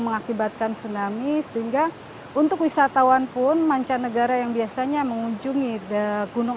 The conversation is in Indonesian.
mengakibatkan tsunami sehingga untuk wisatawan pun mancanegara yang biasanya mengunjungi gunung